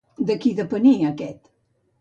De qui depenia aquest?